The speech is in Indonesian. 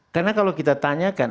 karena kalau kita tanyakan